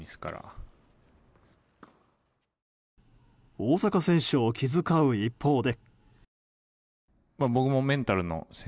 大坂選手を気遣う一方で。